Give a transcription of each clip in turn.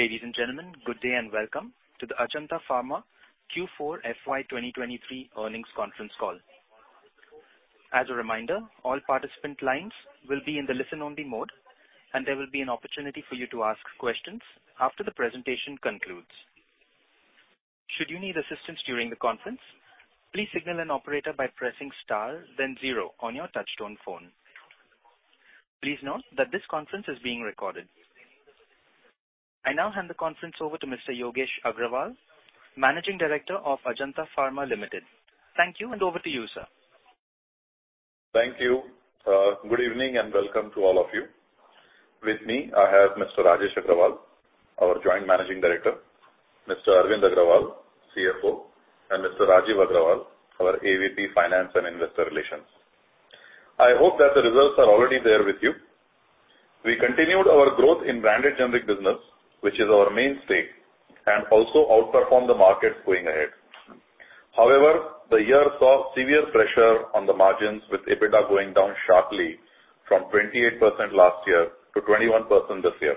Ladies and gentlemen, good day and welcome to the Ajanta Pharma Q4 FY 2023 Earnings Conference Call. As a reminder, all participant lines will be in the listen-only mode. There will be an opportunity for you to ask questions after the presentation concludes. Should you need assistance during the conference, please signal an operator by pressing star then zero on your touchtone phone. Please note that this conference is being recorded. I now hand the conference over to Mr. Yogesh Agrawal, Managing Director of Ajanta Pharma Limited. Thank you. Over to you, sir. Thank you. Good evening and welcome to all of you. With me, I have Mr. Rajesh Agrawal, our Joint Managing Director; Mr. Arvind Agrawal, CFO; and Mr. Rajeev Agarwal, our AVP, Finance and Investor Relations. I hope that the results are already there with you. We continued our growth in branded generics business, which is our mainstay, and also outperformed the market going ahead. However, the year saw severe pressure on the margins with EBITDA going down sharply from 28% last year to 21% this year.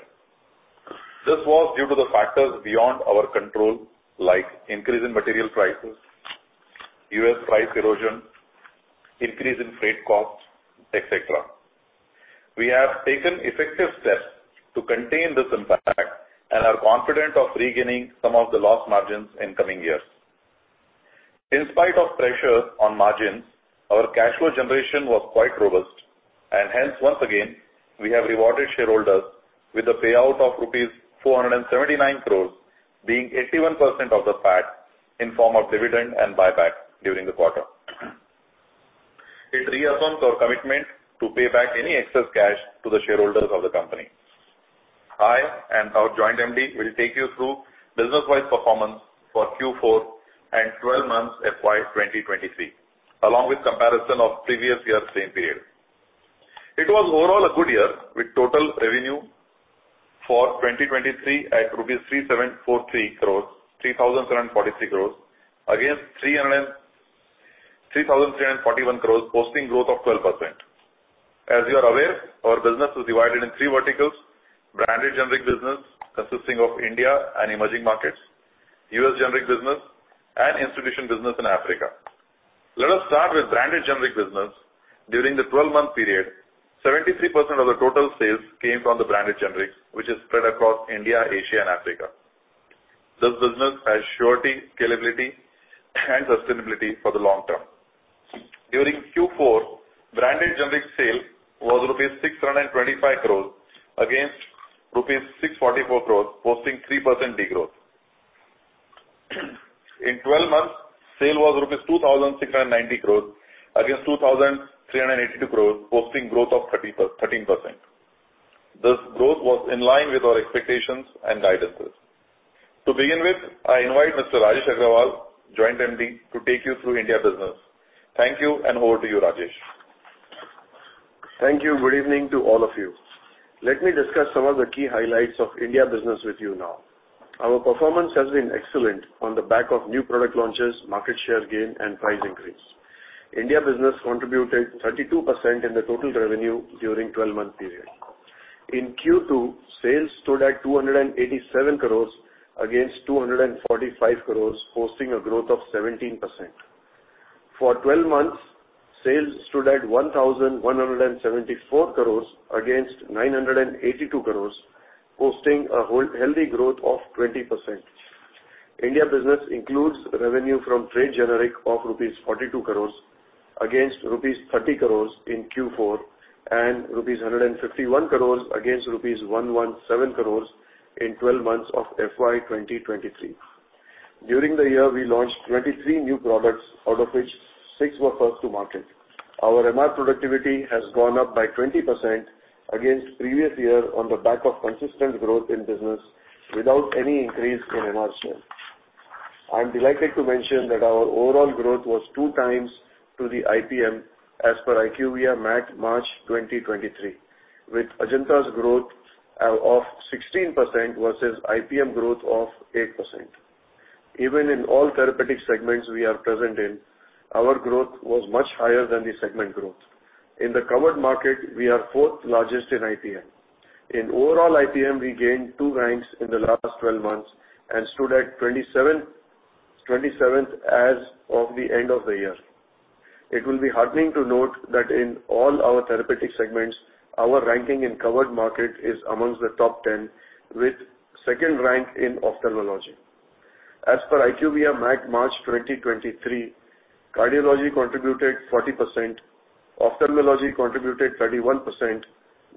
This was due to the factors beyond our control, like increase in material prices, U.S. price erosion, increase in freight costs, et cetera. We have taken effective steps to contain this impact and are confident of regaining some of the lost margins in coming years. In spite of pressure on margins, our cash flow generation was quite robust, and hence, once again, we have rewarded shareholders with a payout of rupees 479 crores, being 81% of the PAT in form of dividend and buyback during the quarter. It reassures our commitment to pay back any excess cash to the shareholders of the company. I and our Joint MD will take you through business-wide performance for Q4 and 12 months FY 2023, along with comparison of previous year same period. It was overall a good year with total revenue for 2023 at rupees 3,743 crores against 3,341 crores, posting growth of 12%. As you are aware, our business is divided in three verticals: branded generic business consisting of India and emerging markets, U.S. generic business, and institution business in Africa. Let us start with branded generic business. During the 12-month period, 73% of the total sales came from the branded generics, which is spread across India, Asia, and Africa. This business has surety, scalability, and sustainability for the long term. During Q4, branded generic sale was 625 crore rupees against 644 crore rupees, posting 3% degrowth. In 12 months, sale was rupees 2,690 crore against 2,382 crore, posting growth of 13%. This growth was in line with our expectations and guidance's. I invite Mr. Rajesh Agrawal, Joint MD, to take you through India business. Thank you, and over to you, Rajesh. Thank you. Good evening to all of you. Let me discuss some of the key highlights of India business with you now. Our performance has been excellent on the back of new product launches, market share gain, and price increase. India business contributed 32% in the total revenue during 12-month period. In Q2, sales stood at 287 crores against 245 crores, posting a growth of 17%. For 12 months, sales stood at 1,174 crores against 982 crores, posting a healthy growth of 20%. India business includes revenue from trade generic of rupees 42 crores against rupees 30 crores in Q4 and rupees 151 crores against rupees 117 crores in 12 months of FY 2023. During the year, we launched 23 new products, out of which six were first to market. Our MR productivity has gone up by 20% against previous year on the back of consistent growth in business without any increase in MR share. I'm delighted to mention that our overall growth was 2x to the IPM as per IQVIA MAT, March 2023, with Ajanta's growth of 16% versus IPM growth of 8%. Even in all therapeutic segments we are present in, our growth was much higher than the segment growth. In the covered market, we are fourth largest in IPM. In overall IPM, we gained two ranks in the last 12 months and stood at 27th as of the end of the year. It will be heartening to note that in all our therapeutic segments, our ranking in covered market is amongst the top 10 with second rank in ophthalmology. As per IQVIA MAT, March 2023, cardiology contributed 40%, ophthalmology contributed 31%,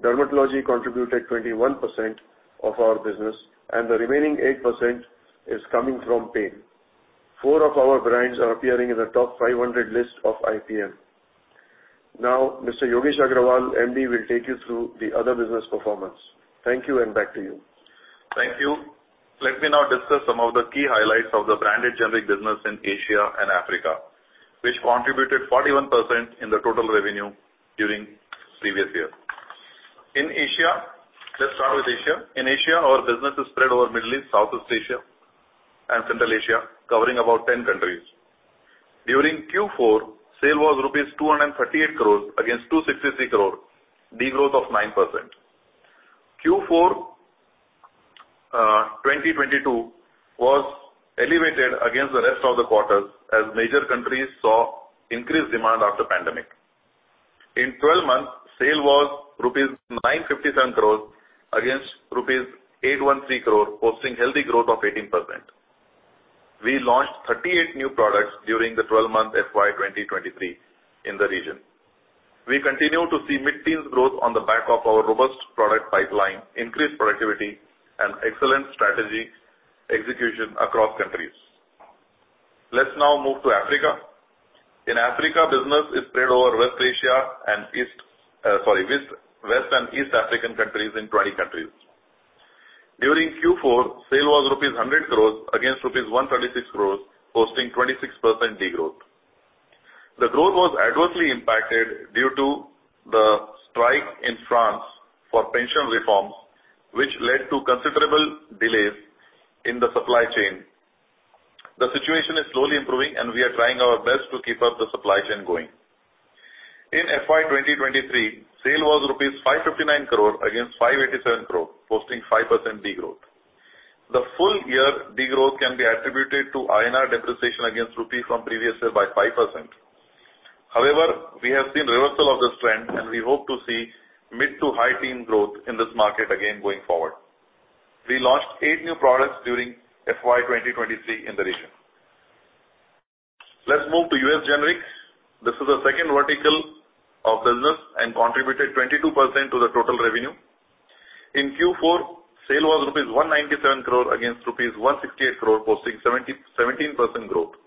dermatology contributed 21% of our business, and the remaining 8% is coming from pain. Four of our brands are appearing in the top 500 list of IPM. Now, Mr. Yogesh Agrawal, MD, will take you through the other business performance. Thank you, and back to you. Thank you. Let me now discuss some of the key highlights of the branded generic business in Asia and Africa, which contributed 41% in the total revenue during previous year. Let's start with Asia. In Asia, our business is spread over Middle East, Southeast Asia, and Central Asia, covering about 10 countries. During Q4, sale was rupees 238 crores against 263 crore, degrowth of 9%. Q4 2022 was elevated against the rest of the quarters as major countries saw increased demand after pandemic. In 12 months, sale was rupees 957 crores against rupees 813 crore, posting healthy growth of 18%. We launched 38 new products during the 12-month FY 2023 in the region. We continue to see mid-teens growth on the back of our robust product pipeline, increased productivity and excellent strategy execution across countries. Let's now move to Africa. In Africa, business is spread over sorry, West and East African countries in 20 countries. During Q4, sale was rupees 100 crore against rupees 136 crore, posting 26% degrowth. The growth was adversely impacted due to the strike in France for pension reforms, which led to considerable delays in the supply chain. The situation is slowly improving, and we are trying our best to keep up the supply chain going. In FY 2023, sale was rupees 559 crore against 587 crore, posting 5% degrowth. The full-year degrowth can be attributed to INR depreciation against rupee from previous year by 5%. We have seen reversal of this trend, and we hope to see mid-to-high teen growth in this market again going forward. We launched eight new products during FY 2023 in the region. Let's move to U.S. Generics. This is the second vertical of business and contributed 22% to the total revenue. In Q4, sale was INR 197 crore against INR 168 crore, posting 17% growth.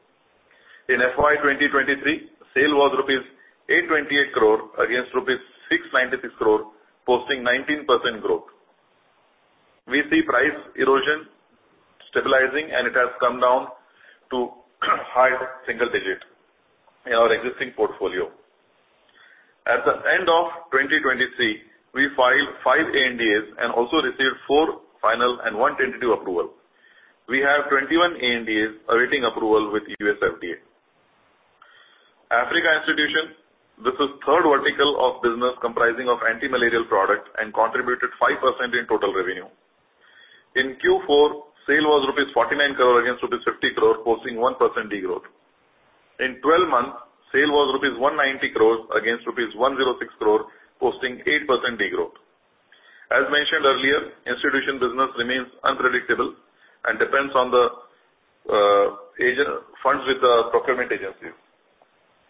In FY 2023, sale was INR 828 crore against INR 696 crore, posting 19% growth. We see price erosion stabilizing, and it has come down to high single digit in our existing portfolio. At the end of 2023, we filed five ANDAs and also received four final and one tentative approval. We have 21 ANDAs awaiting approval with U.S. FDA. Africa Institution. This is third vertical of business comprising of anti-malarial products and contributed 5% in total revenue. In Q4, sale was rupees 49 crore against rupees 50 crore, posting 1% degrowth. In 12 months, sale was rupees 190 crore against rupees 106 crore, posting 8% degrowth. As mentioned earlier, institution business remains unpredictable and depends on the funds with the procurement agencies.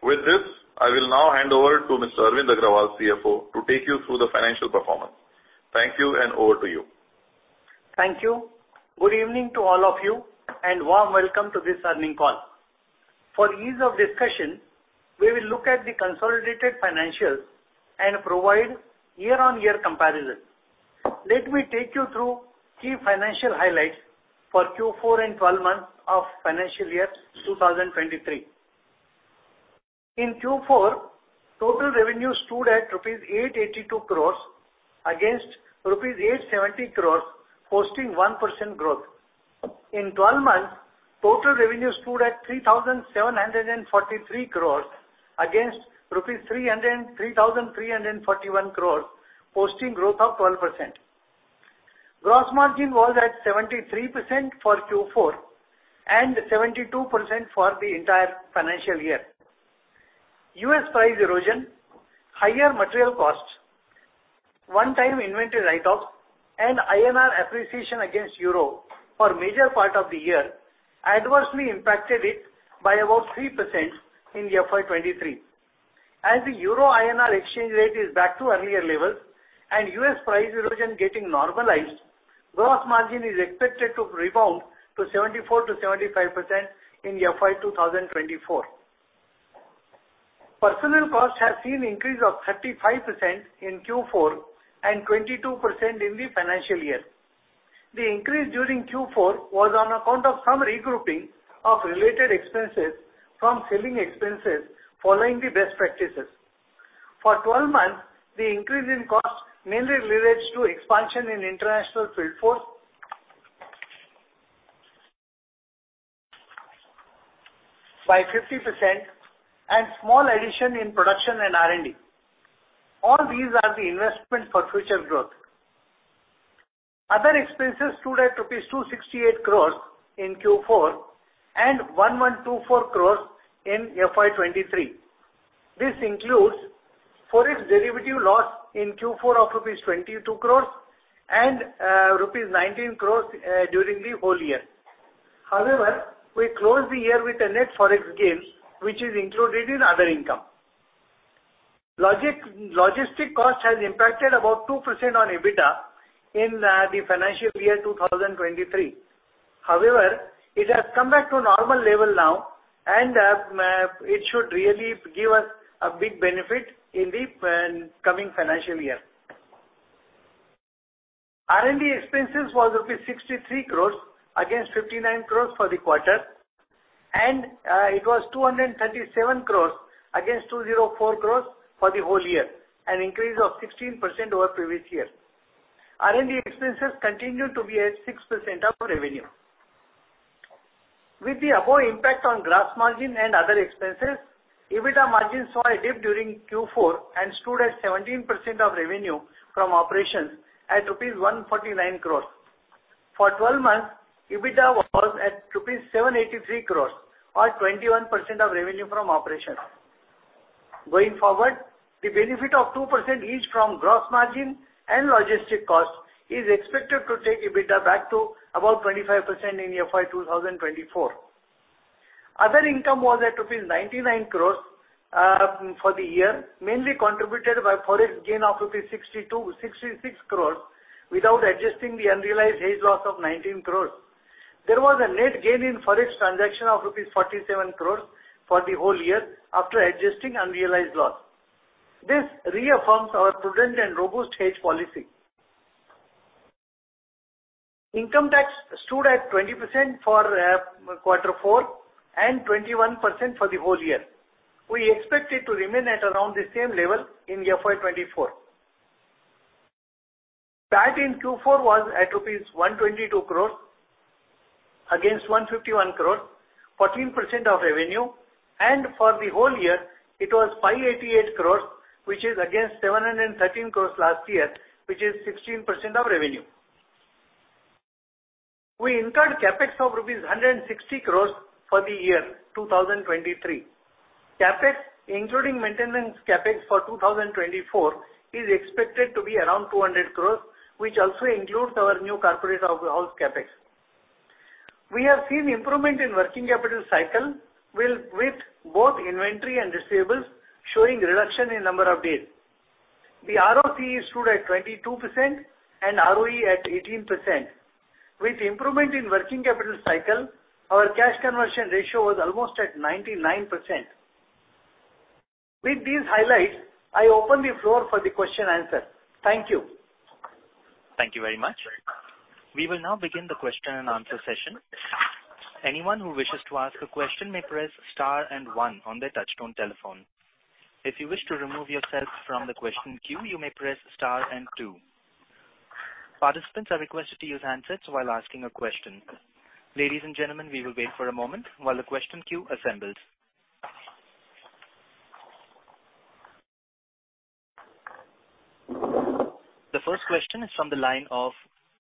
With this, I will now hand over to Mr. Arvind Agrawal, CFO, to take you through the financial performance. Thank you. Over to you. Thank you. Good evening to all of you, and warm welcome to this earning call. For ease of discussion, we will look at the consolidated financials and provide year-on-year comparison. Let me take you through key financial highlights for Q4 and 12 months of FY 2023. In Q4, total revenue stood at rupees 882 crores against rupees 870 crores, posting 1% growth. In 12 months, total revenue stood at 3,743 crores against rupees 3,341 crores, posting growth of 12%. Gross margin was at 73% for Q4 and 72% for the entire financial year. U.S. price erosion, higher material costs, one-time inventory write-offs, and INR appreciation against EUR for major part of the year adversely impacted it by about 3% in the FY 2023. As the euro-INR exchange rate is back to earlier levels and U.S. price erosion getting normalized, gross margin is expected to rebound to 74%-75% in FY 2024. Personnel costs have seen increase of 35% in Q4 and 22% in the financial year. The increase during Q4 was on account of some regrouping of related expenses from selling expenses following the best practices. For 12 months, the increase in costs mainly relates to expansion in international field force by 50% and small addition in production and R&D. All these are the investment for future growth. Other expenses stood at rupees 268 crores in Q4 and 1,124 crores in FY 2023. This includes forex derivative loss in Q4 of rupees 22 crores and rupees 19 crores during the whole year. We closed the year with a net forex gain, which is included in other income. Logistic cost has impacted about 2% on EBITDA in FY 2023. It has come back to a normal level now. It should really give us a big benefit in the coming financial year. R&D expenses was rupees 63 crores against 59 crores for the quarter. It was 237 crores against 204 crores for the whole year, an increase of 16% over previous year. R&D expenses continued to be at 6% of revenue. With the above impact on gross margin and other expenses, EBITDA margin saw a dip during Q4 and stood at 17% of revenue from operations at rupees 149 crores. For 12 months, EBITDA was at rupees 783 crores or 21% of revenue from operations. Going forward, the benefit of 2% each from gross margin and logistic cost is expected to take EBITDA back to about 25% in FY 2024. Other income was at rupees 99 crores for the year, mainly contributed by forex gain of 66 crores rupees without adjusting the unrealized hedge loss of 19 crores. There was a net gain in forex transaction of rupees 47 crores for the whole year after adjusting unrealized loss. This reaffirms our prudent and robust hedge policy. Income tax stood at 20% for Q4 and 21% for the whole year. We expect it to remain at around the same level in FY 2024. PAT in Q4 was at rupees 122 crores against 151 crores, 14% of revenue. For the whole year it was 588 crores, which is against 713 crores last year, which is 16% of revenue. We incurred CapEx of rupees 160 crores for the year 2023. CapEx, including maintenance CapEx for 2024, is expected to be around 200 crores, which also includes our new corporate office CapEx. We have seen improvement in working capital cycle with both inventory and receivables showing reduction in number of days. The ROCE stood at 22% and ROE at 18%. With improvement in working capital cycle, our cash conversion ratio was almost at 99%. With these highlights, I open the floor for the question answer. Thank you. Thank you very much. We will now begin the question and answer session. Anyone who wishes to ask a question may press star and one on their touchtone telephone. If you wish to remove yourself from the question queue, you may press star and two. Participants are requested to use handsets while asking a question. Ladies and gentlemen, we will wait for a moment while the question queue assembles. The first question is from the line of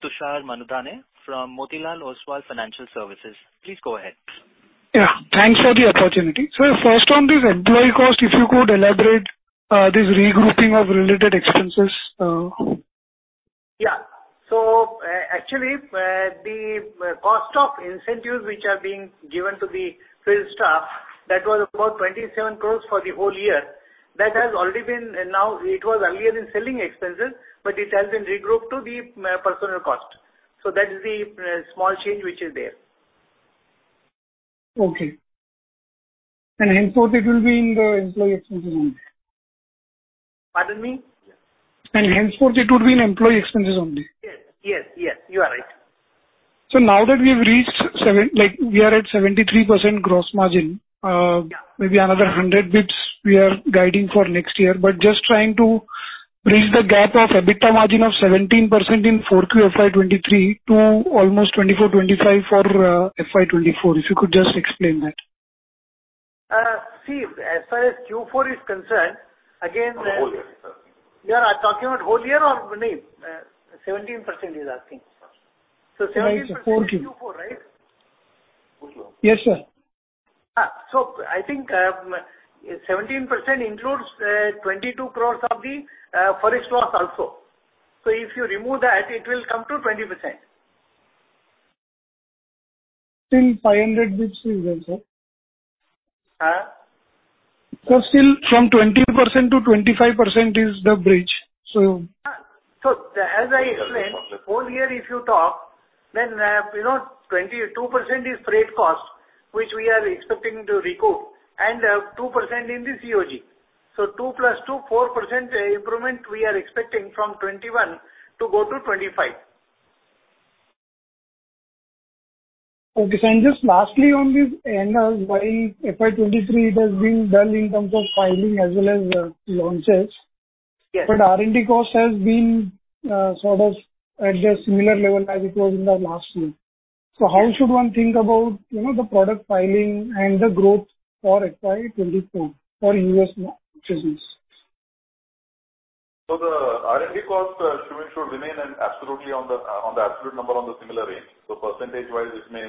Tushar Manudhane from Motilal Oswal Financial Services. Please go ahead. Yeah. Thanks for the opportunity. First on this employee cost, if you could elaborate, this regrouping of related expenses? Yeah. Actually, the cost of incentives which are being given to the field staff, that was about 27 crores for the whole year. That has already been... Now it was earlier in selling expenses, but it has been regrouped to the personal cost. That is the small change which is there. Okay. Henceforth, it will be in the employee expenses only. Pardon me? Henceforth, it would be in employee expenses only. Yes. Yes. Yes, you are right. Now that we've reached we are at 73% gross margin, maybe another 100 basis points we are guiding for next year. Just trying to bridge the gap of EBITDA margin of 17% in Q4 FY 2023 to almost 24%-25% for FY 2024. If you could just explain that. See, as far as Q4 is concerned. The whole year, sir. You are talking about whole year or? 17% he's asking. Right, sir. 17% is Q4, right? Whole year. Yes, sir. I think, 17% includes 22 crore of the forex loss also. If you remove that, it will come to 20%. Still 500 bits is there, sir. Uh? Still from 20%-25% is the bridge. As I explained, whole year if you talk, then, you know, 22% is freight cost, which we are expecting to recoup, and, 2% in the COG. two plus two, 4%, improvement we are expecting from 21 to go to 25. Okay. Just lastly on this, while FY 2023, it has been done in terms of filing as well as launches. Yes. R&D cost has been, sort of at a similar level as it was in the last year. How should one think about, you know, the product filing and the growth for FY 2024 for U.S. business? The R&D cost should remain an absolutely on the absolute number on the similar range. Percentage wise, it may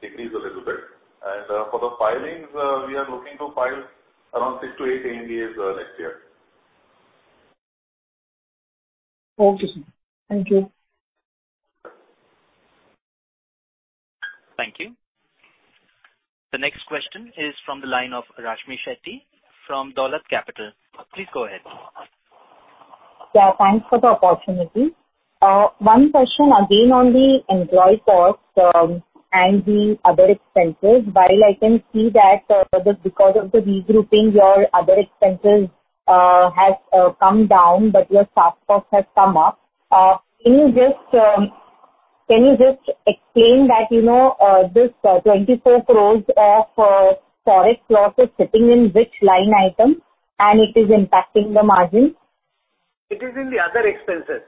decrease a little bit. For the filings, we are looking to file around six to eight ANDAs next year. Okay, sir. Thank you. Thank you. The next question is from the line of Rashmi Shetty from Dolat Capital. Please go ahead. Yeah, thanks for the opportunity. One question again on the employee cost, and the other expenses. While I can see that, just because of the regrouping, your other expenses has come down, but your staff cost has come up. Can you just explain that, you know, this 24 crores of Forex losses sitting in which line item and it is impacting the margin? It is in the other expenses.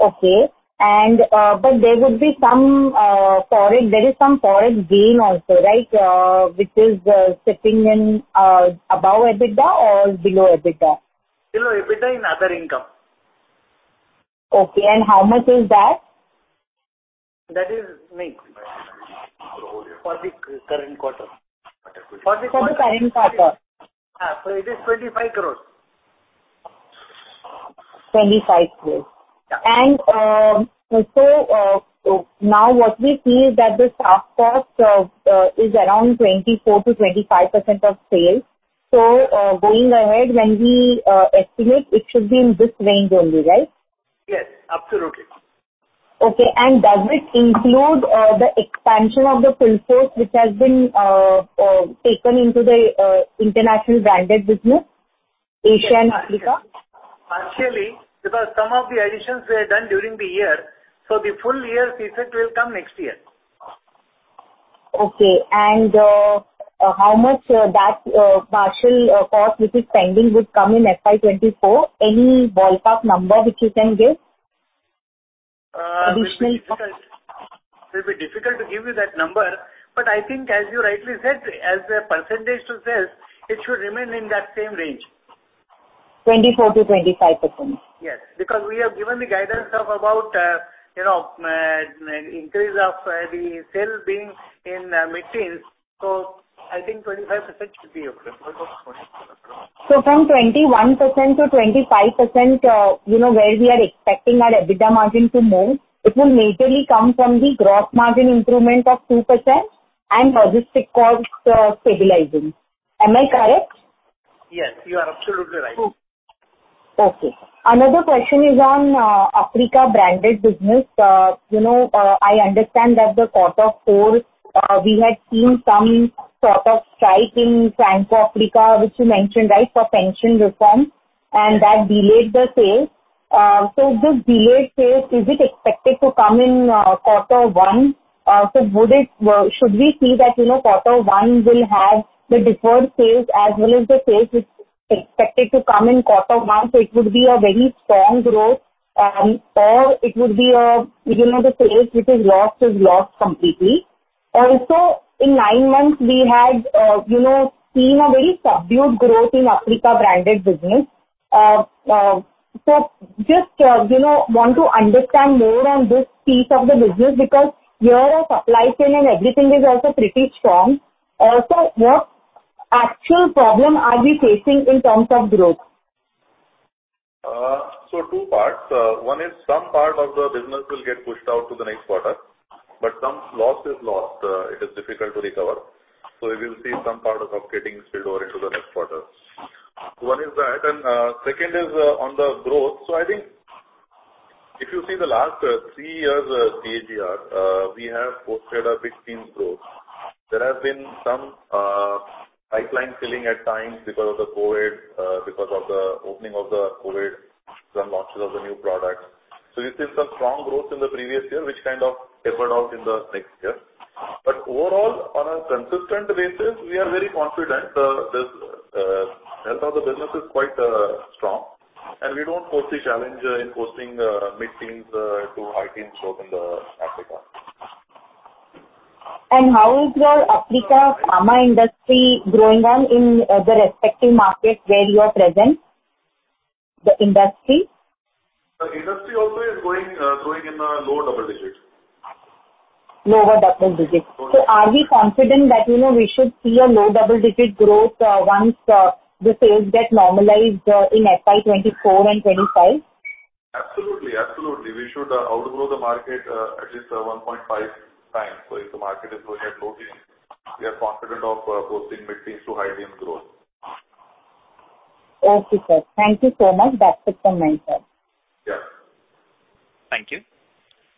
Okay. There is some Forex gain also, right? Which is sitting in above EBITDA or below EBITDA? Below EBITDA in other income. Okay. How much is that? That is neg for the current quarter. For the current quarter. It is 25 crores. 25 crores. Yeah. Now what we see is that the staff cost is around 24%-25% of sales. Going ahead, when we estimate it should be in this range only, right? Yes, absolutely. Okay. Does it include the expansion of the workforce, which has been taken into the international branded business, Asia and Africa? Partially, because some of the additions were done during the year, so the full year effect will come next year. Okay. How much of that, partial cost which is pending would come in FY 2024? Any ballpark number which you can give? It will be difficult to give you that number, but I think as you rightly said, as a percentage to sales, it should remain in that same range. 24%-25%. Yes, because we have given the guidance of about, you know, increase of the sales being in mid-teens. I think 25% should be okay. From 21% to 25%, you know, where we are expecting our EBITDA margin to move, it will majorly come from the gross margin improvement of 2% and logistic costs, stabilizing. Am I correct? Yes, you are absolutely right. Another question is on Africa branded business. You know, I understand that the quarter four we had seen some sort of strike in Francophone Africa, which you mentioned, right, for pension reform, and that delayed the sales. This delayed sales, is it expected to come in quarter one? Should we see that, you know, quarter one will have the deferred sales as well as the sales which expected to come in quarter one, so it would be a very strong growth, or it would be a, you know, the sales which is lost is lost completely. In nine months, we had, you know, seen a very subdued growth in Africa branded business. Just, you know, want to understand more on this piece of the business because here our supply chain and everything is also pretty strong. What actual problem are we facing in terms of growth? Two parts. One is some part of the business will get pushed out to the next quarter, but some loss is lost. It is difficult to recover. We will see some part of up getting spilled over into the next quarter. One is that. Second is on the growth. I think if you see the last three years' CAGR, we have posted a big team growth. There has been some pipeline filling at times because of the COVID, because of the opening of the COVID, some launches of the new products. We've seen some strong growth in the previous year, which kind of tapered off in the next year. Overall, on a consistent basis, we are very confident the health of the business is quite strong, and we don't foresee challenge in posting mid-teens to high-teens growth in Africa. How is your Africa pharma industry growing on in the respective markets where you are present? The industry. The industry also is growing in the low double digits. Lower double digits. Correct. Are we confident that, you know, we should see a low double-digit growth, once the sales get normalized, in FY 2024 and 2025? Absolutely. Absolutely. We should outgrow the market, at least 1.5x. If the market is growing at low teens, we are confident of posting mid-teens to high-teens growth. Okay, sir. Thank you so much. That's it from my side. Yeah. Thank you.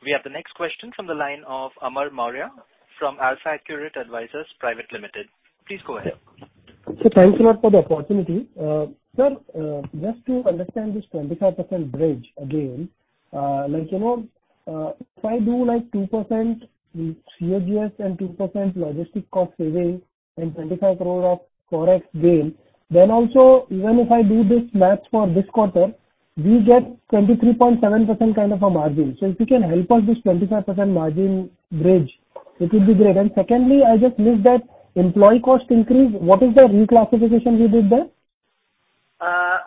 We have the next question from the line of Amar Mourya from AlfAccurate Advisors Private Limited. Please go ahead. Thanks a lot for the opportunity. Just to understand this 25% bridge again, like, you know, if I do like 2% in CAGR and 2% logistic cost savings and 25 crore Forex gain, also even if I do this math for this quarter, we get 23.7% kind of a margin. If you can help us this 25% margin bridge, it would be great. Secondly, I just missed that employee cost increase. What is the reclassification we did there?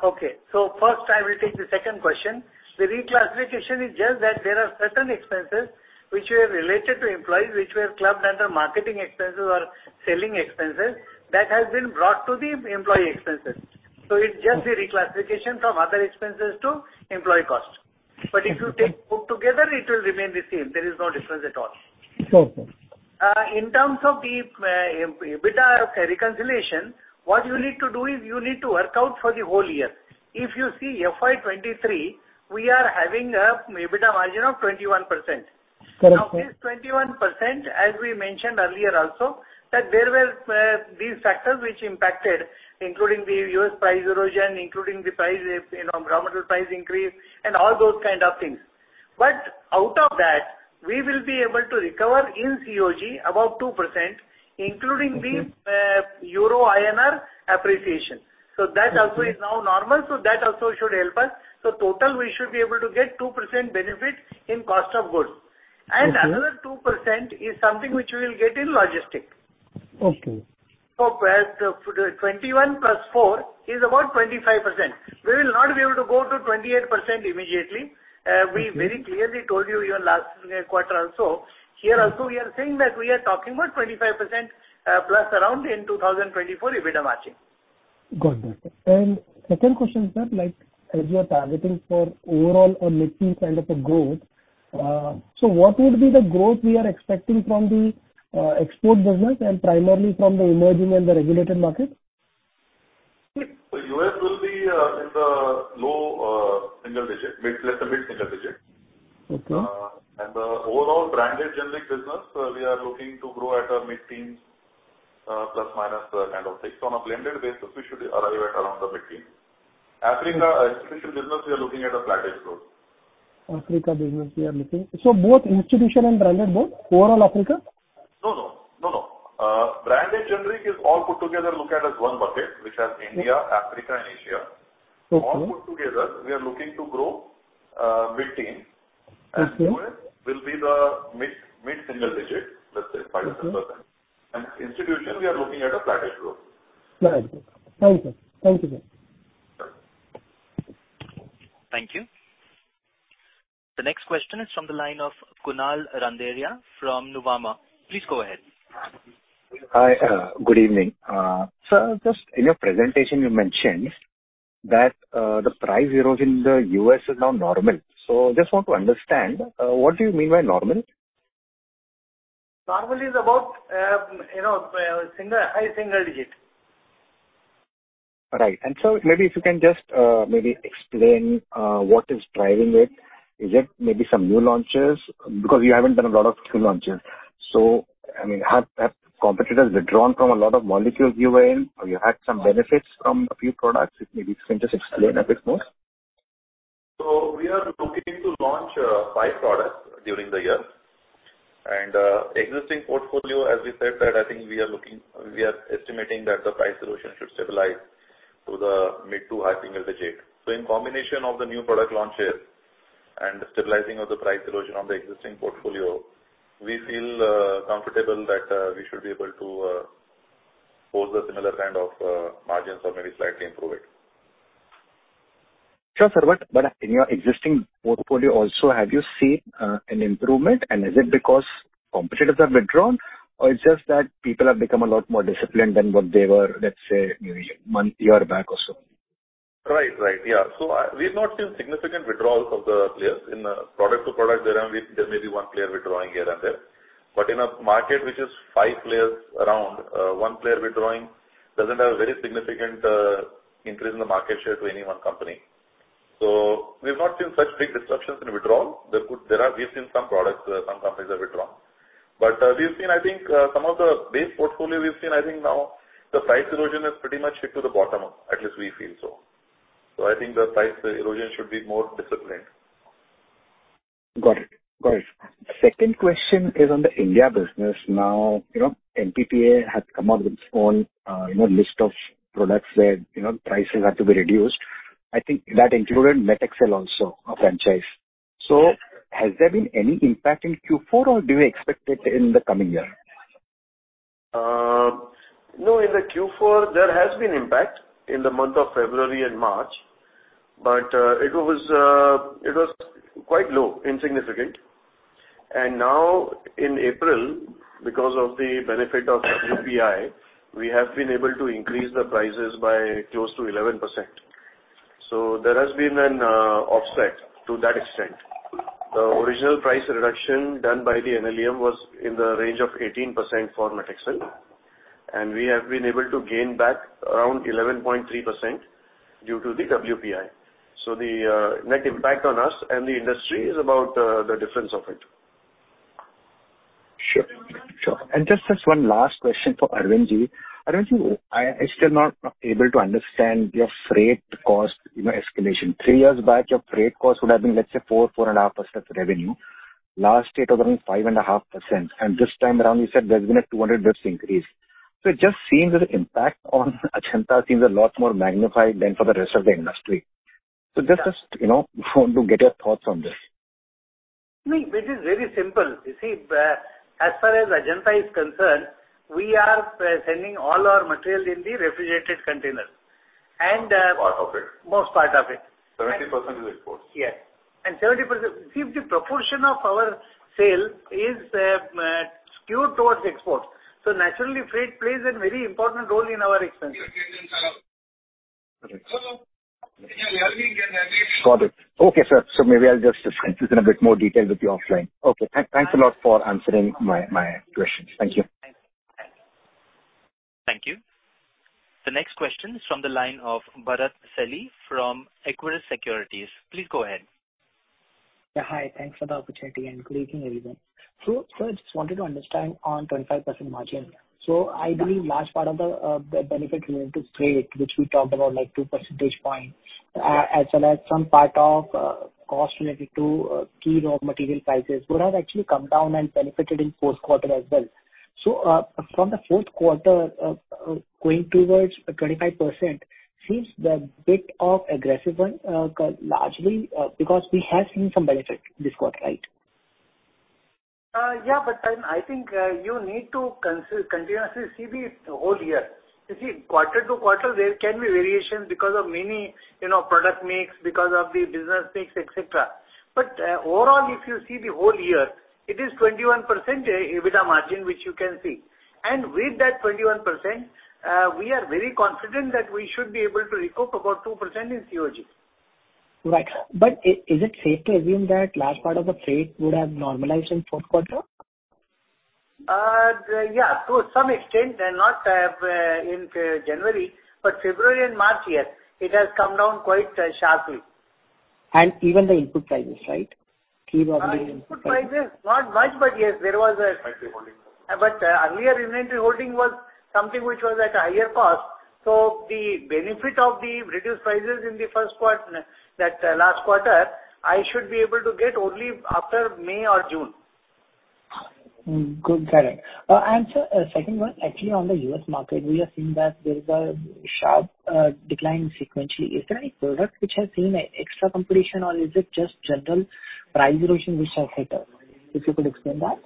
Okay. First I will take the second question. The reclassification is just that there are certain expenses which were related to employees, which were clubbed under marketing expenses or selling expenses that has been brought to the employee expenses. It's just the reclassification from other expenses to employee cost. Okay. If you take both together, it will remain the same. There is no difference at all. Okay. In terms of the EBITDA reconciliation, what you need to do is you need to work out for the whole year. If you see FY 2023, we are having a EBITDA margin of 21%. Now this 21%, as we mentioned earlier also, that there were these factors which impacted, including the U.S. price erosion, including the price, you know, raw material price increase and all those kind of things. Out of that, we will be able to recover in COG about 2%, including the Euro INR appreciation. That also is now normal. That also should help us. Total we should be able to get 2% benefit in cost of goods. Okay. Another 2% is something which we will get in logistic. Okay. As 21 plus four is about 25%. We will not be able to go to 28% immediately. We very clearly told you your last quarter also. Here also we are saying that we are talking about 25% plus around in 2024 EBITDA margin. Got it. Second question, sir, like as you are targeting for overall or mid-teen kind of a growth, so what would be the growth we are expecting from the export business and primarily from the emerging and the regulated markets? U.S. will be in the low single digit, mid, less than mid-single digit. Okay. The overall branded generic business, we are looking to grow at a mid-teens ±6%. On a blended basis, we should arrive at around the mid-teens. Africa, institutional business, we are looking at a flattish growth. Africa business we are looking. Both institutional and private, both overall Africa? No, no. No, no. Branded generic is all put together, look at as one bucket, which has India, Africa and Asia. Okay. All put together, we are looking to grow mid-teen. Okay. U.S. will be the mid-single digit, let's say 5%-7%. Institutional, we are looking at a flattish growth. Flattish. Thank you. Thank you, sir. Thank you. The next question is from the line of Kunal Randeria from Nuvama. Please go ahead. Hi. Good evening. Sir, just in your presentation you mentioned that, the price erosion in the U.S. is now normal. Just want to understand, what do you mean by normal? Normal is about, you know, single, high single digit. Right. Maybe if you can just, maybe explain, what is driving it. Is it maybe some new launches? Because you haven't done a lot of new launches. I mean, have competitors withdrawn from a lot of molecules you were in or you had some benefits from a few products? If maybe you can just explain a bit more. We are looking to launch five products during the year. Existing portfolio, as we said that I think we are estimating that the price erosion should stabilize to the mid to high single digit. In combination of the new product launches and stabilizing of the price erosion on the existing portfolio, we feel comfortable that we should be able to hold the similar kind of margins or maybe slightly improve it. Sure, sir. In your existing portfolio also, have you seen an improvement and is it because competitors have withdrawn or it's just that people have become a lot more disciplined than what they were, let's say, maybe month, year back or so? Right. Right. Yeah. We've not seen significant withdrawals of the players. In product to product there may be one player withdrawing here and there. In a market which is five players around, one player withdrawing doesn't have a very significant increase in the market share to any one company. We've not seen such big disruptions in withdrawal. There are, we've seen some products, some companies have withdrawn. We've seen, I think, some of the base portfolio we've seen, I think now the price erosion has pretty much hit to the bottom, at least we feel so. I think the price erosion should be more disciplined. Got it. Got it. Second question is on the India business. You know, NPPA has come out with its own, you know, list of products where, you know, prices have to be reduced. I think that included Metexcel also, our franchise. Has there been any impact in Q4 or do you expect it in the coming year? No, in the Q4 there has been impact in the month of February and March, it was quite low, insignificant. Now in April, because of the benefit of WPI, we have been able to increase the prices by close to 11%. There has been an offset to that extent. The original price reduction done by the NLEM was in the range of 18% for Metexcel, and we have been able to gain back around 11.3% due to the WPI. The net impact on us and the industry is about the difference of it. Sure, sure. Just as one last question for Arvind. Arvind, I'm still not able to understand your freight cost, you know, escalation. Three years back, your freight cost would have been, let's say, 4.5% of revenue. Last year it was around 5.5%. This time around you said there's been a 200 basis increase. Just, you know, want to get your thoughts on this. It is very simple. You see, as far as Ajanta is concerned, we are sending all our material in the refrigerated container. Part of it. Most part of it. 70% is exports. Yes. 70%... See, the proportion of our sale is skewed towards exports. Naturally, freight plays a very important role in our expense. Got it. Okay, sir. Maybe I'll just discuss this in a bit more detail with you offline. Okay. Thanks a lot for answering my questions. Thank you. The next question is from the line of Bharat Celly from Equirus Securities. Please go ahead. Hi. Thanks for the opportunity, and good evening, everyone. Sir, I just wanted to understand on 25% margin. I believe last part of the benefit related to freight, which we talked about, like two percentage points, as well as some part of cost related to key raw material prices would have actually come down and benefited in fourth quarter as well. From the fourth quarter, going towards 25% seems the bit of aggressive one, largely, because we have seen some benefit this quarter, right? Yeah, I think, you need to continuously see the whole year. You see quarter to quarter, there can be variations because of many, you know, product mix, because of the business mix, etcetera. Overall, if you see the whole year, it is 21% EBITDA margin which you can see. With that 21%, we are very confident that we should be able to recoup about 2% in COG. Right. Is it safe to assume that large part of the freight would have normalized in fourth quarter? Yeah, to some extent, and not in January, but February and March, yes. It has come down quite sharply. Even the input prices, right? Key raw material input prices. Input prices, not much, but yes, there was. Earlier inventory holding was something which was at a higher cost, so the benefit of the reduced prices in the last quarter, I should be able to get only after May or June. Good. Got it. Second one, actually on the U.S. market, we are seeing that there is a sharp decline sequentially. Is there any product which has seen extra competition or is it just general price erosion which has hit us? If you could explain that.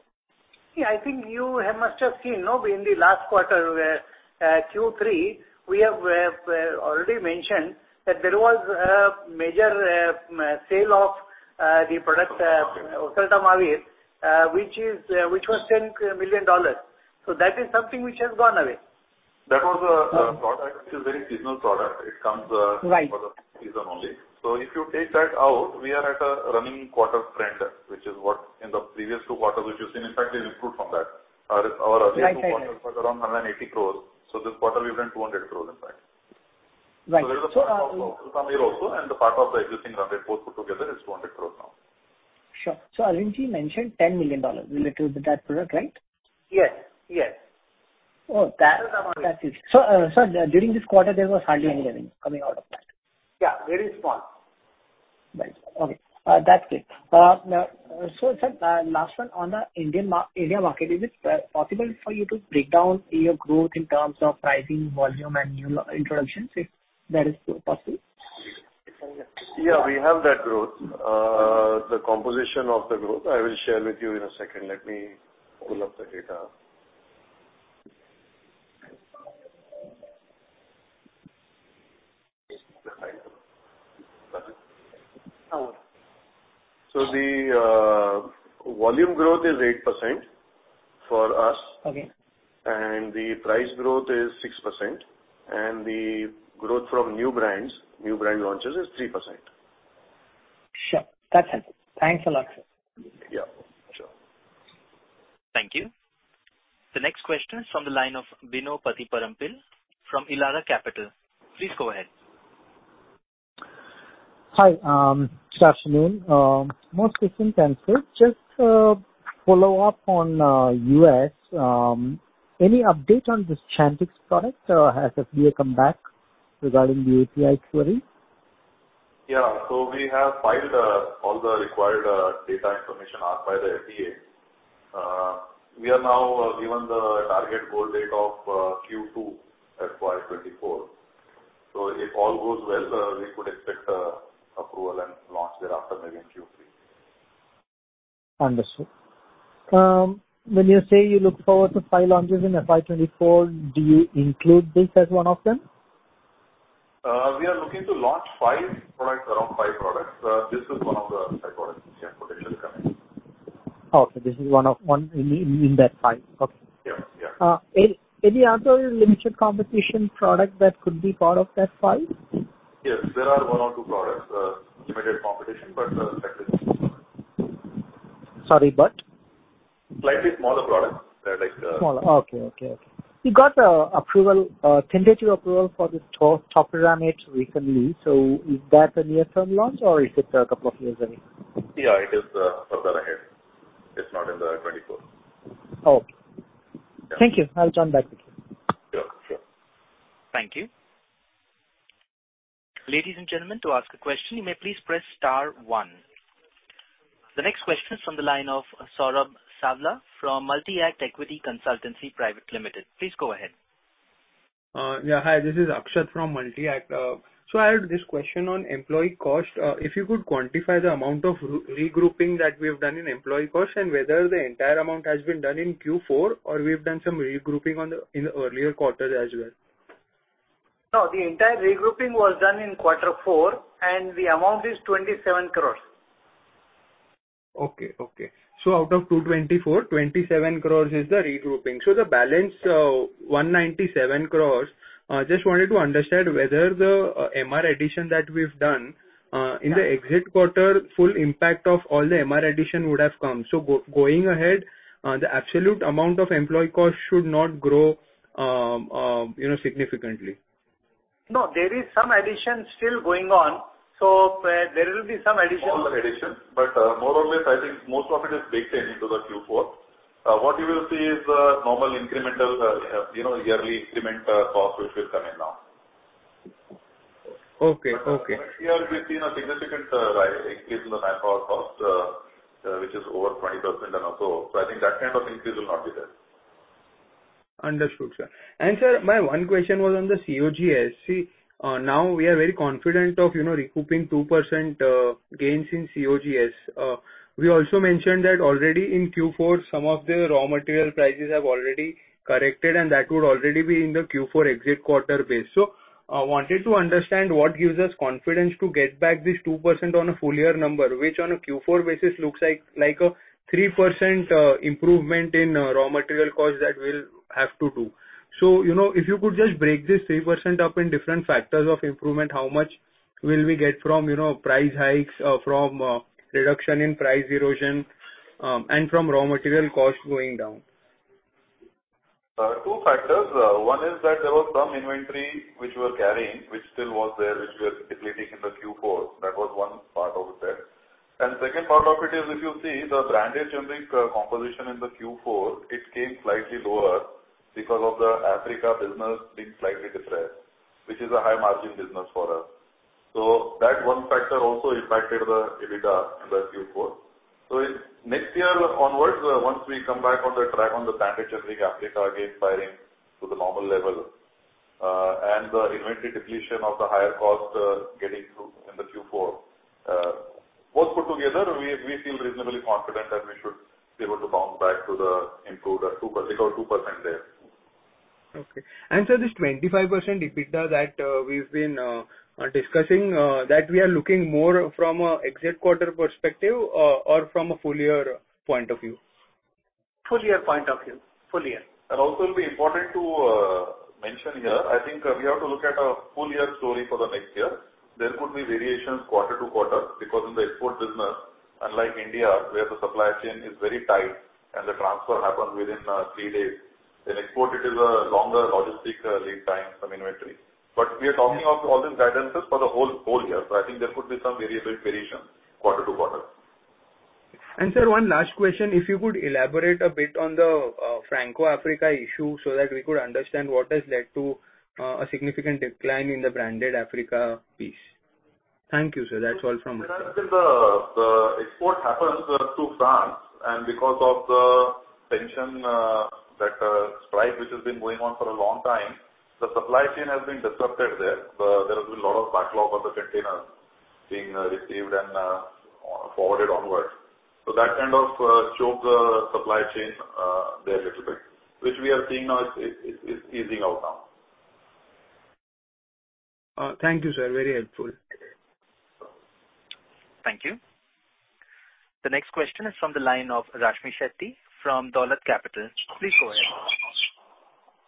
Yeah, I think you have must have seen, no, in the last quarter, uh, uh, Q3, we have, uh, uh, already mentioned that there was a major, uh, sale of, uh, the product, uh, udenafil, uh, which is, uh, which was ten million dollars. So that is something which has gone away. That was a product. It's a very seasonal product. It comes. Right. for the season only. If you take that out, we are at a running quarter trend, which is what in the previous two quarters which you've seen, in fact, we improved from that. Our earlier two quarters- Right. Right, right. was around INR 180 crores. This quarter we've done INR 200 crores, in fact. Right. There is a pat of udenafil also and the part of the existing INR 100, both put together is INR 200 crores now. Sure. Arvind mentioned $10 million related with that product, right? Yes. Yes. Oh. That is the money. That is. Sir, during this quarter, there was hardly any revenue coming out of that. Yeah. Very small. Right. Okay. That's it. Now, sir, last one on the Indian market. Is it possible for you to break down your growth in terms of pricing, volume and new introductions, if that is possible? Yeah, we have that growth. The composition of the growth I will share with you in a second. Let me pull up the data. The volume growth is 8% for us. Okay. The price growth is 6%. The growth from new brands, new brand launches is 3%. Sure. That's helpful. Thanks a lot, sir. Yeah, sure. Thank you. The next question is from the line of Bino Pathiparampil from Elara Capital. Please go ahead. Hi. good afternoon. most questions answered. Just a follow-up on U.S. any update on this Chantix product? has FDA come back regarding the API query? Yeah. We have filed all the required data information asked by the FDA. We are now given the target goal date of Q2 FY 2024. If all goes well, we could expect approval and launch thereafter maybe in Q3. Understood. When you say you look forward to five launches in FY 2024, do you include this as one of them? We are looking to launch five products, around five products. This is one of the five products, yes, potentially coming. Okay. This is one in that five. Okay. Yeah. Yeah. Any other limited competition product that could be part of that five? There are one or two products, limited competition, but. Sorry, but? Slightly smaller products. They're like. Smaller. Okay. Okay. Okay. You got approval, tentative approval for the Topiramate recently. Is that a near-term launch or is it a couple of years away? Yeah, it is, further ahead. It's not in the 24. Okay. Yeah. Thank you. I'll join back with you. Sure. Sure. Thank you. Ladies and gentlemen, to ask a question, you may please press star one. The next question is from the line of Saurabh Sabla from Multi-Act Equity Consultancy Private Limited. Please go ahead. Yeah. Hi, this is Akshat from Multi-Act. I have this question on employee cost. If you could quantify the amount of regrouping that we have done in employee cost and whether the entire amount has been done in Q4 or we've done some regrouping in the earlier quarters as well? The entire regrouping was done in quarter four and the amount is 27 crores. Okay. Okay. Out of 224 crores, 27 crores is the regrouping. The balance, 197 crores, just wanted to understand whether the MR addition that we've done. Yeah. -in the exit quarter, full impact of all the MR addition would have come. Going ahead, the absolute amount of employee cost should not grow, you know, significantly. No, there is some addition still going on, so there will be some addition. Normal addition, but more or less, I think most of it is baked into the Q4. What you will see is the normal incremental, you know, yearly incremental cost, which will come in now. Okay. Okay. Last year we've seen a significant rise in case in the manpower cost, which is over 20% and also. I think that kind of increase will not be there. Understood, sir. Sir, my one question was on the COGS. See, now we are very confident of, you know, recouping 2% gains in COGS. We also mentioned that already in Q4, some of the raw material prices have already corrected, and that would already be in the Q4 exit quarter base. Wanted to understand what gives us confidence to get back this 2% on a full year number, which on a Q4 basis looks like a 3% improvement in raw material costs that we'll have to do. If you could just break this 3% up in different factors of improvement, how much will we get from, you know, price hikes, from reduction in price erosion, and from raw material costs going down? Two factors. One is that there was some inventory which we were carrying, which still was there, which we are depleting in the Q4. That was one part of that. Second part of it is, if you see the branded generic composition in the Q4, it came slightly lower because of the Africa business being slightly depressed, which is a high margin business for us. That one factor also impacted the EBITDA in the Q4. Next year onwards, once we come back on the track on the branded generic Africa again firing to the normal level and the inventory depletion of the higher cost getting through in the Q4, both put together, we feel reasonably confident that we should be able to bounce back to the improved 2% or 2% there. Okay. This 25% EBITDA that we've been discussing that we are looking more from a exit quarter perspective or from a full year point of view? Full year point of view. Full year. Also it'll be important to mention here, I think we have to look at a full year story for the next year. There could be variations quarter to quarter because in the export business, unlike India, where the supply chain is very tight and the transfer happens within three days, in export it is a longer logistic lead time from inventory. We are talking of all these guidance's for the whole year. I think there could be some variable variations quarter to quarter. Sir, one last question, if you could elaborate a bit on the Franco-Africa issue so that we could understand what has led to a significant decline in the branded Africa piece. Thank you, sir. That's all from my side. The export happens through France, and because of the tension, that strike which has been going on for a long time, the supply chain has been disrupted there. There has been a lot of backlog of the containers being received and forwarded onwards. That kind of choked the supply chain there little bit, which we are seeing now is easing out now. Thank you, sir. Very helpful. Thank you. The next question is from the line of Rashmi Shetty from Dolat Capital. Please go ahead.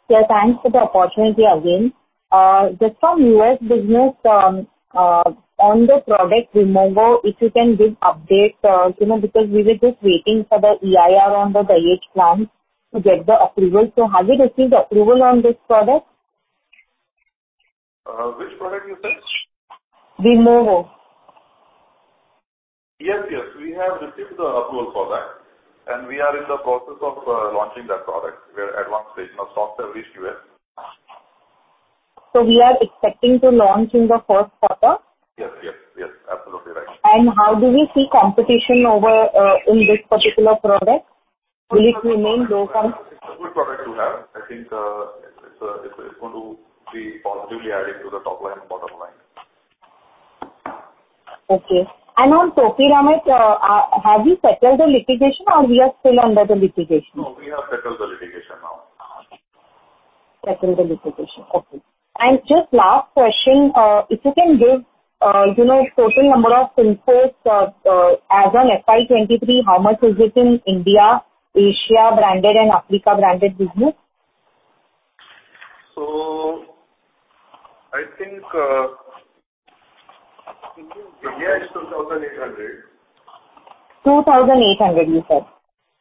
Yeah, thanks for the opportunity again. Just from U.S. business, on the product Vimovo, if you can give updates, you know, because we were just waiting for the EIR on the Dahej plant to get the approval, have you received the approval on this product? Which product you said? Vimovo. Yes, we have received the approval for that. We are in the process of launching that product. We are at one stage. Now stocks have reached U.S. We are expecting to launch in the first quarter? Yes, yes, absolutely right. How do we see competition over in this particular product? Will it remain low cost? It's a good product to have. I think, it's going to be positively added to the top line, bottom line. Okay. On Topiramate, have you settled the litigation or we are still under the litigation? No, we have settled the litigation now. Settled the litigation. Okay. Just last question, if you can give, you know, total number of sales reps as on FY 2023, how much is it in India, Asia branded and Africa branded business? I think, India is INR 2,800. 2,800, you said.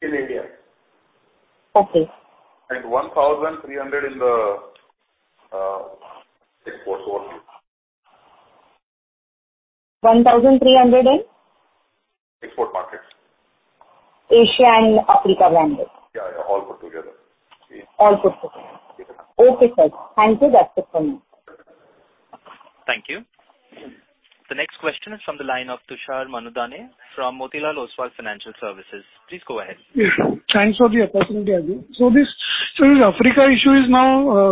In India. Okay. 1,300 in the export market. One thousand three hundred in? Export markets. Asia and Africa branded. Yeah, yeah, all put together. All put together. Yes. Okay, sir. Thank you. That's it from me. Thank you. The next question is from the line of Tushar Manudhane from Motilal Oswal Financial Services. Please go ahead. Yes. Thanks for the opportunity again. This Africa issue is now,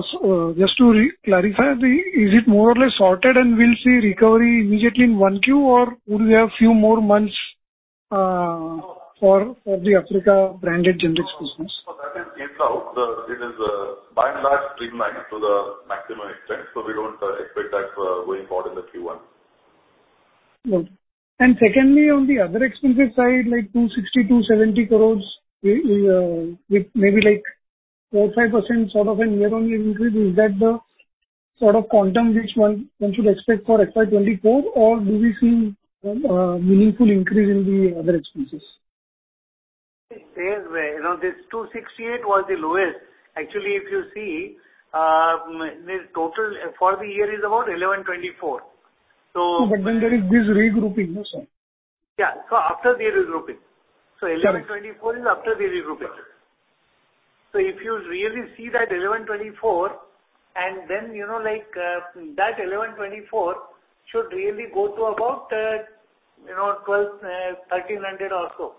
just to re-clarify, is it more or less sorted and we'll see recovery immediately in 1Q or will we have few more months for the Africa branded generics business? No, that is eased out. It is by and large streamlined to the maximum extent, so we don't expect that going forward in the Q1. Secondly, on the other expenses side, like 260-270 crores, with maybe like four to 5% sort of an year-on-year increase, is that the sort of quantum which one should expect for FY 2024? Do we see meaningful increase in the other expenses? It says where, you know, this 268 was the lowest. Actually, if you see, this total for the year is about 1,124. There is this regrouping, no, sir. Yeah. After the regrouping. Sure. 1,124 is after the regrouping. If you really see that 1,124, and then, you know, like, that 1,124 should really go to about, you know, 1,200, 1,300 or so.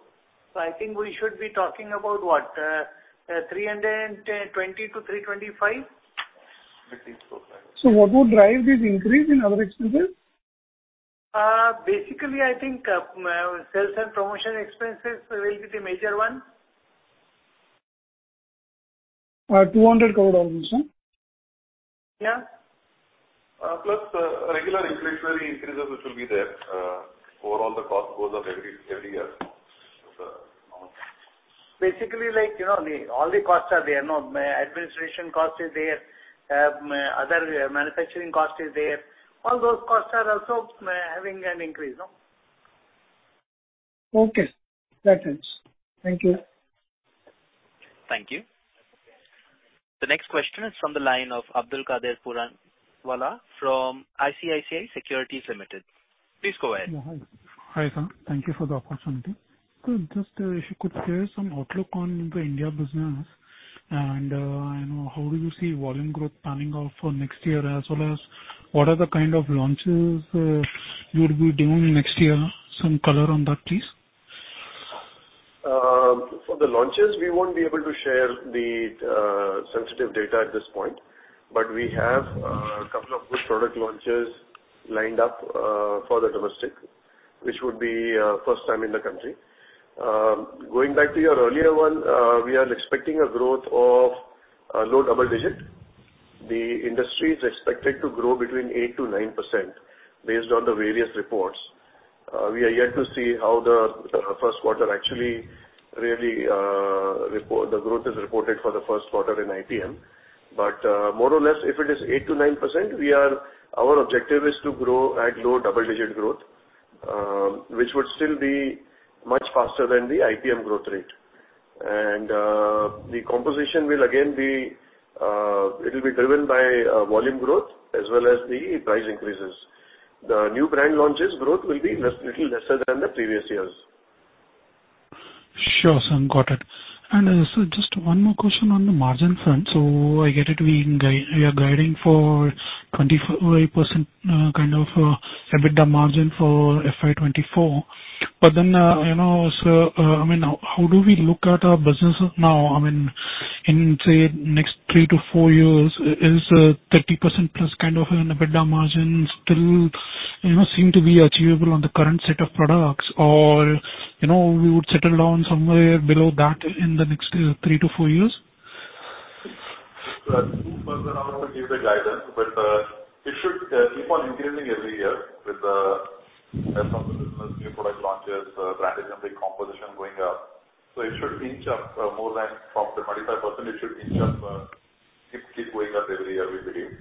I think we should be talking about what? 320-325. I think so. What would drive this increase in other expenses? Basically, I think, sales and promotional expenses will be the major one. INR 200 crore, sir? Yeah. Plus, regular inflationary increases which will be there. Overall the cost goes up every year with the Like, you know, the, all the costs are there. You know, my administration cost is there. Other manufacturing cost is there. All those costs are also, having an increase, no? Okay. That helps. Thank you. Thank you. The next question is from the line of Abdulkader Puranwala from ICICI Securities Limited. Please go ahead. Yeah, hi. Hi, sir. Thank you for the opportunity. Just, if you could share some outlook on the India business and, you know, how do you see volume growth panning out for next year, as well as what are the kind of launches you would be doing next year? Some color on that, please. For the launches, we won't be able to share the sensitive data at this point. We have a couple of good product launches lined up for the domestic, which would be first time in the country. Going back to your earlier one, we are expecting a growth of low double-digit. The industry is expected to grow between 8%-9% based on the various reports. We are yet to see how the first quarter actually really. The growth is reported for the first quarter in IPM. More or less, if it is 8%-9%, Our objective is to grow at low double-digit growth, which would still be much faster than the IPM growth rate. The composition will again be, it will be driven by volume growth as well as the price increases. The new brand launches growth will be little lesser than the previous years. Sure, sir. Got it. Sir, just one more question on the margin front. I get it, we can guide, we are guiding for 25% kind of EBITDA margin for FY 2024. You know, sir, I mean, how do we look at our businesses now? I mean, in, say, next three to four years, is 30%+ kind of an EBITDA margin still, you know, seem to be achievable on the current set of products? You know, we would settle down somewhere below that in the next three to four years? I'm not supposed to give the guidance, but, it should keep on increasing every year with the health of the business, new product launches, brand extension composition going up. It should inch up, more than from the 25%, it should inch up, keep going up every year, we believe.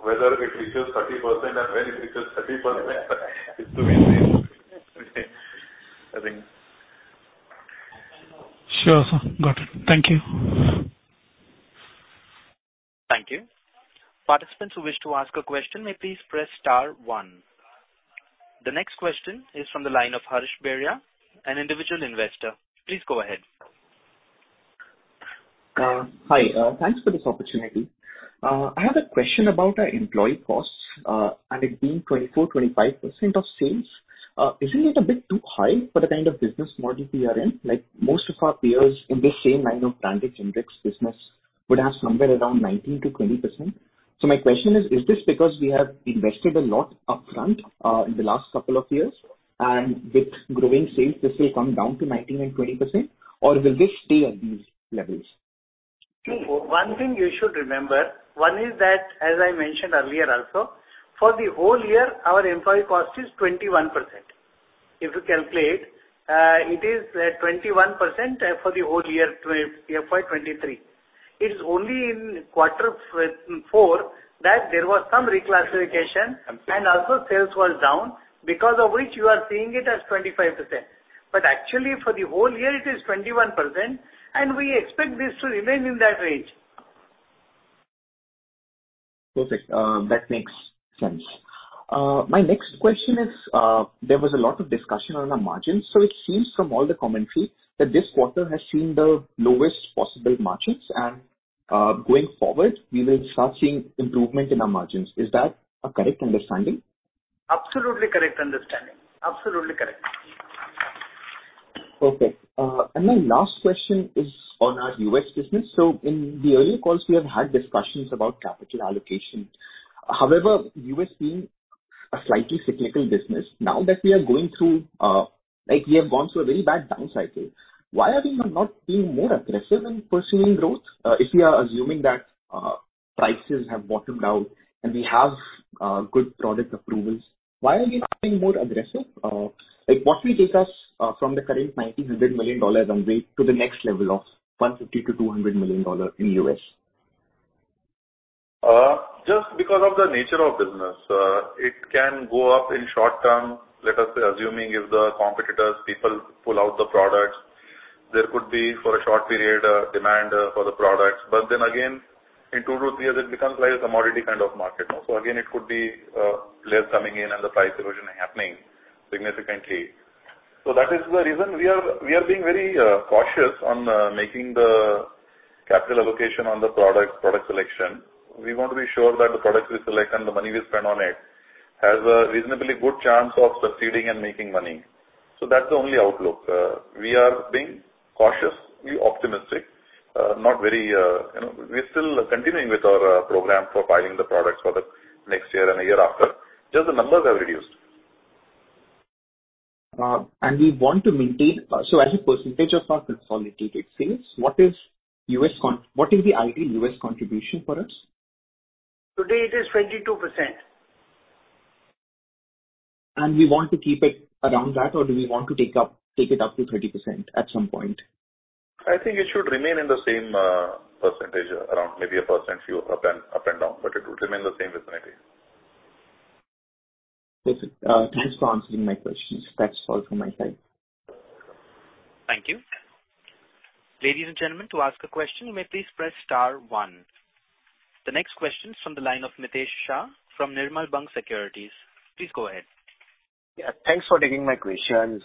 Whether it reaches 30% and when it reaches 30%, is to be seen. I think. Sure, sir. Got it. Thank you. Thank you. Participants who wish to ask a question may please press star one. The next question is from the line of Harsh Beria, an individual investor. Please go ahead. Hi. Thanks for this opportunity. I have a question about our employee costs, and it being 24%-25% of sales. Isn't it a bit too high for the kind of business model we are in? Like, most of our peers in the same line of branded generics business would have somewhere around 19%-20%. My question is this because we have invested a lot up front in the last couple of years, and with growing sales, this will come down to 19% and 20%? Or will this stay at these levels? One thing you should remember, one is that, as I mentioned earlier also, for the whole year, our employee cost is 21%. If you calculate, it is 21% for the whole year FY 2023. It is only in quarter four that there was some reclassification. Understood. Also sales was down, because of which you are seeing it as 25%. Actually for the whole year it is 21% and we expect this to remain in that range. Perfect. That makes sense. My next question is, there was a lot of discussion on our margins. It seems from all the commentary that this quarter has seen the lowest possible margins and, going forward, we will start seeing improvement in our margins. Is that a correct understanding? Absolutely correct understanding. Absolutely correct. Okay. My last question is on our U.S. business. In the earlier calls, we have had discussions about capital allocation. However, U.S. being a slightly cyclical business, now that we are going through, like we have gone through a very bad down cycle, why are we not being more aggressive in pursuing growth? If we are assuming that prices have bottomed out and we have good product approvals, why are we not being more aggressive? Like, what will take us from the current $90 million run rate to the next level of $150 million-$200 million in U.S.? Just because of the nature of business. It can go up in short term, let us say, assuming if the competitors, people pull out the products, there could be for a short period, demand, for the products. But then again, in two to three years, it becomes like a commodity kind of market. Again, it could be, players coming in and the price erosion happening significantly. That is the reason we are, we are being very, cautious on, making the capital allocation on the product selection. We want to be sure that the products we select and the money we spend on it has a reasonably good chance of succeeding and making money. That's the only outlook. We are being cautious, be optimistic, not very, you know... We're still continuing with our program for filing the products for the next year and a year after. The numbers have reduced. we want to maintain... as a percentage of our consolidated sales, what is U.S. what is the ideal U.S. contribution for us? Today it is 22%. We want to keep it around that or do we want to take it up to 30% at some point? I think it should remain in the same, percentage around maybe a %, few up and down, but it would remain the same vicinity. That's it. Thanks for answering my questions. That's all from my side. Thank you. Ladies and gentlemen, to ask a question, you may please press star one. The next question is from the line of Mitesh Shah from Nirmal Bang Securities. Please go ahead. Yeah, thanks for taking my questions.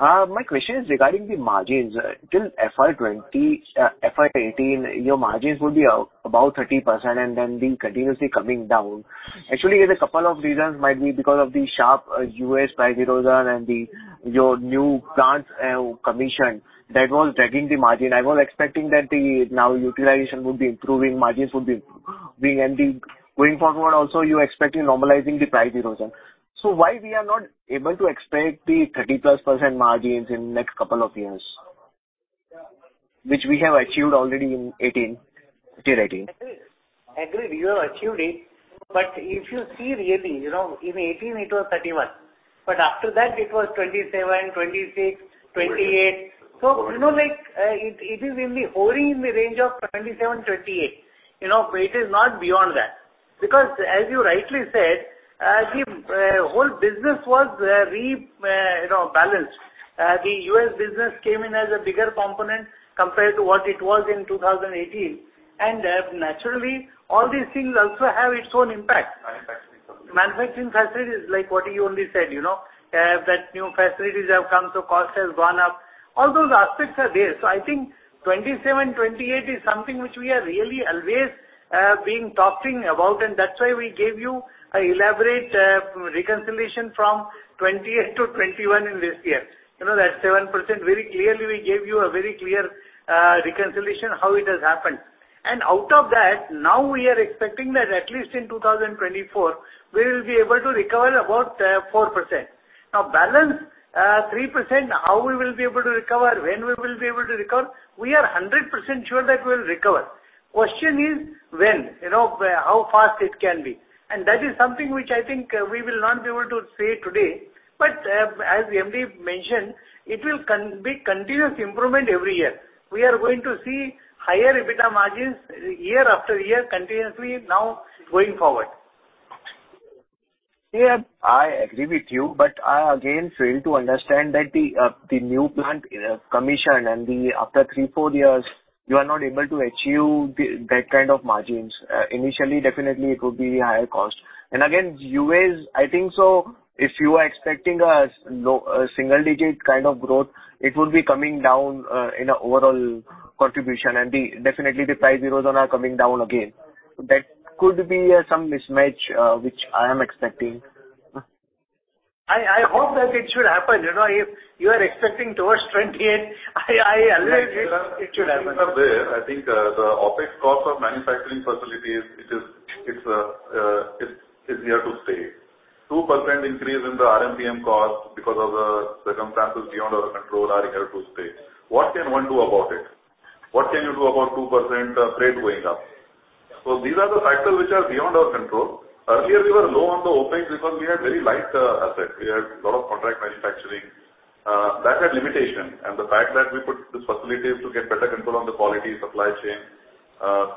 My question is regarding the margins. Till FY 20, FY 18, your margins would be above 30% and then been continuously coming down. Actually, there's a couple of reasons, might be because of the sharp U.S. price erosion and the your new plants commission that was dragging the margin. I was expecting that the now utilization would be improving, margins would be... Going forward also, you're expecting normalizing the price erosion. Why we are not able to expect the 30%-plus margins in next couple of years, which we have achieved already in 18, till 18? Agreed. Agreed. We have achieved it. If you see really, you know, in 2018 it was 31, but after that it was 27, 26, 28. Got it. You know, like, it is in the, wholly in the range of 27, 28. You know, it is not beyond that. As you rightly said, the whole business was you know, balanced. The U.S. business came in as a bigger component compared to what it was in 2018. Naturally all these things also have its own impact. Manufacturing facilities. Manufacturing facilities, like what you only said, you know, that new facilities have come, so cost has gone up. All those aspects are there. I think 27%, 28% is something which we are really always being talking about, and that's why we gave you an elaborate reconciliation from 28% to 21% in this year. You know, that 7%, very clearly we gave you a very clear reconciliation how it has happened. Out of that, now we are expecting that at least in 2024, we will be able to recover about 4%. Balance 3%, how we will be able to recover? When we will be able to recover? We are 100% sure that we'll recover. Question is when? You know, how fast it can be. That is something which I think we will not be able to say today. As MD mentioned, it will be continuous improvement every year. We are going to see higher EBITDA margins year after year continuously now going forward. Yeah. I agree with you, I again fail to understand that the new plant commission and the after three, four years, you are not able to achieve that kind of margins. Initially, definitely it would be higher cost. Again, U.S., I think so if you are expecting a low, a single-digit kind of growth, it would be coming down in a overall contribution and the definitely the price erosion are coming down again. That could be some mismatch which I am expecting. I hope that it should happen. You know, if you are expecting towards 28, I always wish it should happen. Things are there. I think, the OpEx cost of manufacturing facilities, which is, it's here to stay. 2% increase in the RMPM cost because of the circumstances beyond our control are here to stay. What can one do about it? What can you do about 2% freight going up? These are the factors which are beyond our control. Earlier we were low on the OpEx because we had very light asset. We had lot of contract manufacturing. That had limitation. The fact that we put these facilities to get better control on the quality, supply chain,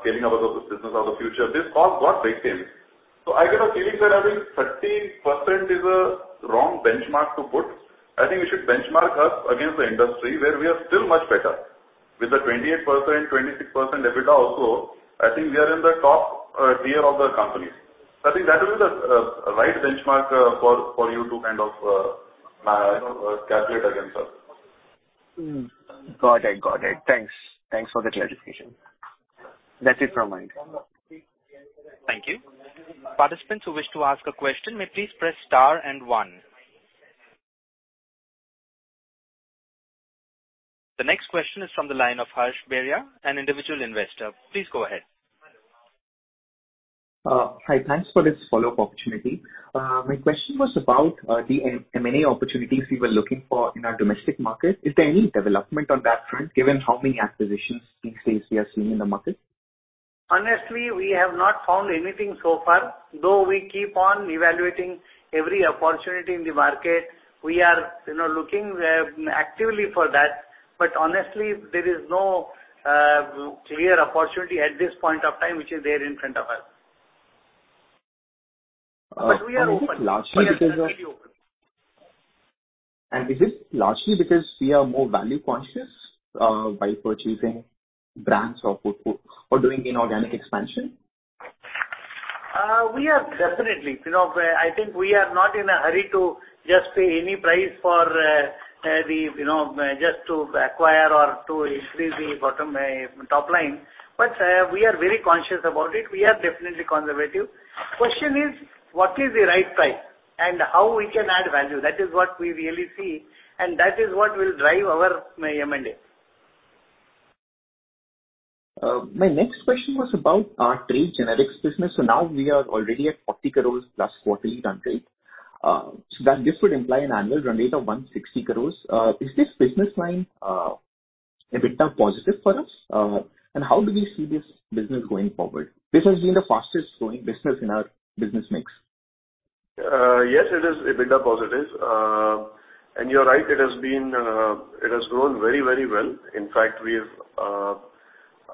scaling up of the business of the future, this cost got retained. I get a feeling that I think 13% is a wrong benchmark to put. I think we should benchmark us against the industry where we are still much better. With the 28%, 26% EBITDA also, I think we are in the top tier of the company. I think that will be the right benchmark for you to kind of, you know, calculate against us. Got it. Thanks for the clarification. That's it from my end. Thank you. Participants who wish to ask a question may please press star and one. The next question is from the line of Harsh Beria, an individual investor. Please go ahead. Hi, thanks for this follow-up opportunity. My question was about the M&A opportunities you were looking for in our domestic market. Is there any development on that front, given how many acquisitions these days we are seeing in the market? Honestly, we have not found anything so far. Though we keep on evaluating every opportunity in the market, we are, you know, looking actively for that. Honestly, there is no clear opportunity at this point of time, which is there in front of us. We are open. We are definitely open. Is this largely because we are more value conscious, by purchasing brands or doing inorganic expansion? We are definitely. You know, I think we are not in a hurry to just pay any price for the, you know, just to acquire or to increase the bottom, top line. We are very conscious about it. We are definitely conservative. Question is, what is the right price and how we can add value? That is what we really see, that is what will drive our M&A. My next question was about our trade generics business. Now we are already at 40 crores plus quarterly run rate, so that this would imply an annual run rate of 160 crores. Is this business line, EBITDA positive for us? How do we see this business going forward? This has been the fastest growing business in our business mix. Yes, it is EBITDA positive. You're right, it has been, it has grown very, very well. In fact, we've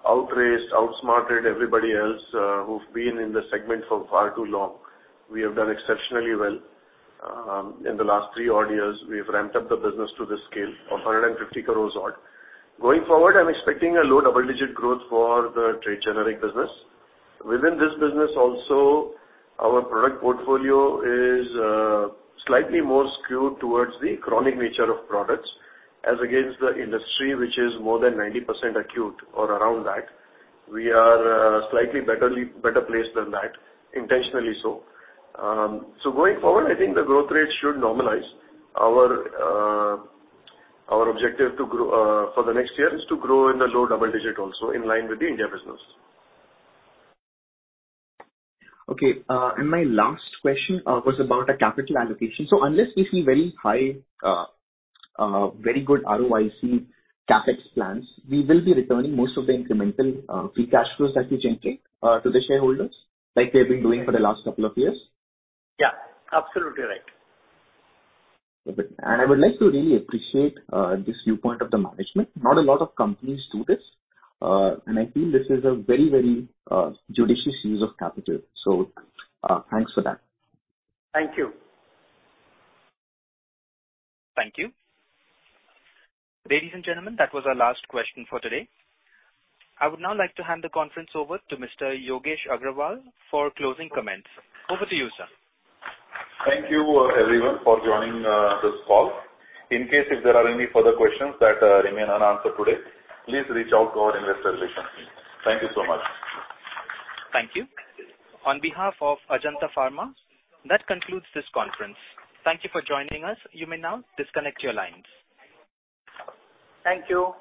outraised, outsmarted everybody else, who've been in the segment for far too long. We have done exceptionally well. In the last three odd years, we've ramped up the business to the scale of 150 crores odd. Going forward, I'm expecting a low double-digit growth for the trade generic business. Within this business also, our product portfolio is slightly more skewed towards the chronic nature of products as against the industry, which is more than 90% acute or around that. We are slightly better placed than that, intentionally so. Going forward, I think the growth rate should normalize. Our, our objective to grow, for the next year is to grow in the low double digit also in line with the India business. Okay. My last question was about a capital allocation. Unless we see very high, very good ROIC CapEx plans, we will be returning most of the incremental free cash flows that we generate to the shareholders like we have been doing for the last couple of years. Absolutely right. I would like to really appreciate this viewpoint of the management. Not a lot of companies do this. I feel this is a very, very judicious use of capital. Thanks for that. Thank you. Thank you. Ladies and gentlemen, that was our last question for today. I would now like to hand the conference over to Mr. Yogesh Agrawal for closing comments. Over to you, sir. Thank you everyone for joining this call. In case if there are any further questions that remain unanswered today, please reach out to our investor relations team. Thank you so much. Thank you. On behalf of Ajanta Pharma, that concludes this conference. Thank you for joining us. You may now disconnect your lines. Thank you.